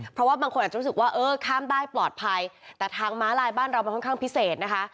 เพราะว่าบางคนอาจจะรู้สึกว่าเออข้ามได้ปลอดภัยแต่ทางม้าลายบ้านเรามันค่อนข้างพิเศษนะคะ